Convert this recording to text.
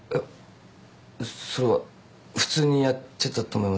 それは普通にやってたと思います。